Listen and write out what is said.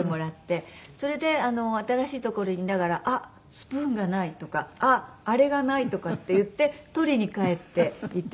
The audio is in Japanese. それで新しい所にいながら「あっスプーンがない」とか「あっあれがない」とかって言って取りに帰っていて。